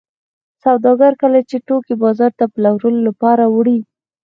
سوداګر کله چې توکي بازار ته د پلورلو لپاره وړي